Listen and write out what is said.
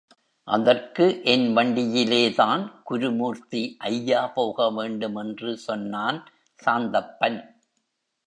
அதற்கு என் வண்டியிலேதான் குருமூர்த்தி ஐயா போகவேண்டும் என்று சொன்னான் சாந்தப்பன்.